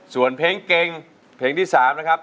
ส่วนเพลงเก่งเพลงที่๓นะครับ